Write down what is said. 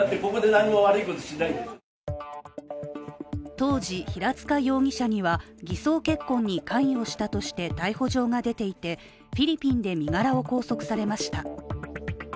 当時、平塚容疑者には偽装結婚に関与したとして逮捕状が出ていてフィリピンで身柄を拘束されました。